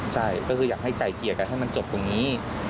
ใช่ก็คืออยากให้ไก่เกลี่ยกันให้มันจบตรงนี้